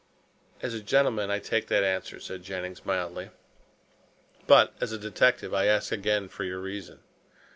"As a gentleman, I take that answer," said Jennings mildly, "but as a detective I ask again for your reason."